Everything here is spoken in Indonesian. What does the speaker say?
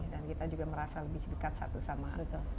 dan kita juga merasa lebih dekat satu sama lain